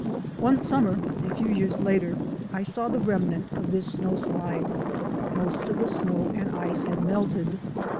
One summer, a few years later, I saw the rem nant of this snowslide. Most of the snow and ice had melted.